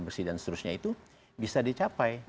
bersih dan seterusnya itu bisa dicapai